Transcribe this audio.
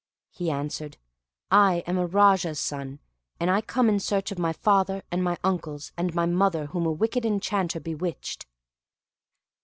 He answered, "I am a Raja's son, and I come in search of my father, and my uncles, and my mother whom a wicked enchanter bewitched."